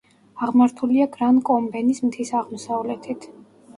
აღმართულია გრან-კომბენის მთის აღმოსავლეთით.